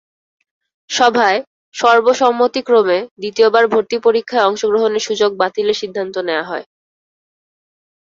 সভায় সর্বসম্মতিক্রমে দ্বিতীয়বার ভর্তি পরীক্ষায় অংশগ্রহণের সুযোগ বাতিলের সিদ্ধান্ত নেওয়া হয়।